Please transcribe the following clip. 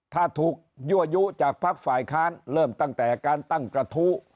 ถ้าถูกยั่วยุจากพักฝ่ายค้านเริ่มตั้งแต่การตั้งกระทู้